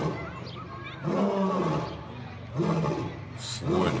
すごいな。